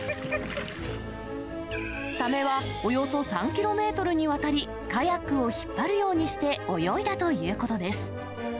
サメはおよそ３キロメートルにわたりカヤックを引っ張るようにして泳いだということです。